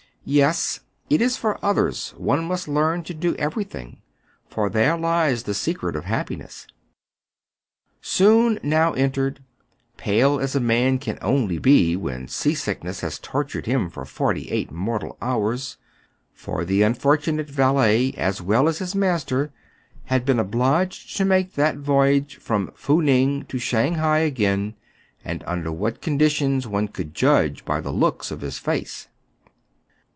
" Yes, it is for others one must learn to do every thing ; for there lies the secret of happiness." Soun now entered, pale as a man can only be when seasickness has tortured him for forty eight mortal hours : for the unfortunate valet, as well as his master, had been obliged to make that voyage from Fou Ning to Shang hai again ; and under what conditions, one could judge by the looks of his face.